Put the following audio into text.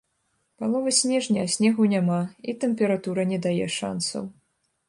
Палова снежня, а снегу няма і тэмпература не дае шансаў.